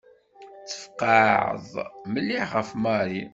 Tfeqɛeḍ mliḥ ɣef Mary.